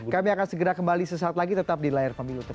kami akan segera kembali sesaat lagi tetap di layar pemilu